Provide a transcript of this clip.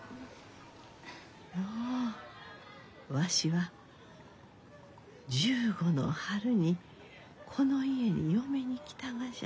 のうわしは１５の春にこの家に嫁に来たがじゃ。